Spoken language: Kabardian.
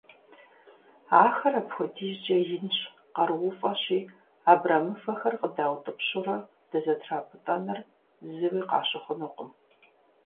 Ахэр апхуэдизкӀэ инщ, къарууфӀэщи, абрэмывэхэр къыдаутӀыпщурэ дызэтрапӀытӀэныр зыуи къащыхъунукъым.